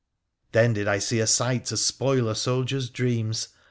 Then did I see a sight to spoil a soldier's dreams.